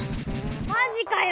マジかよ！